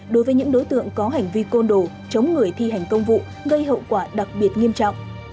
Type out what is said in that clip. đối với những đối tượng có hành vi côn đồ chống người thi hành công vụ gây hậu quả đặc biệt nghiêm trọng